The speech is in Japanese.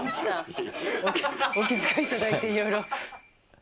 お気遣いいただいて、いろいろ。